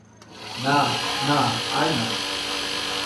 না, না, আর না।